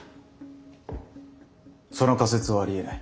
その仮説はありえない。